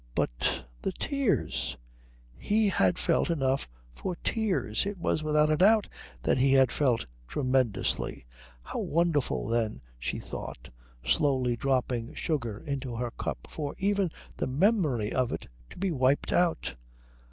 But the tears? He had felt enough for tears. It was without a doubt that he had felt tremendously. How wonderful then, she thought, slowly dropping sugar into her cup, for even the memory of it to be wiped out!